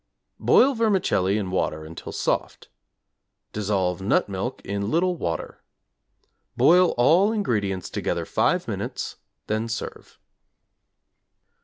Boil vermicelli in water until soft. Dissolve nut milk in little water. Boil all ingredients together 5 minutes, then serve.